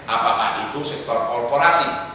apakah itu sektor korporasi